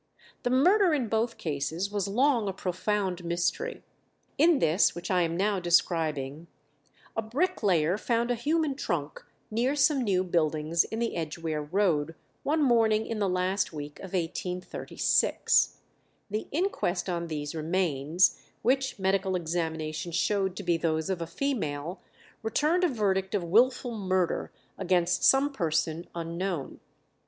The murder in both cases was long a profound mystery. In this which I am now describing, a bricklayer found a human trunk near some new buildings in the Edgeware Road, one morning in the last week of 1836. The inquest on these remains, which medical examination showed to be those of a female, returned a verdict of wilful murder against some person unknown.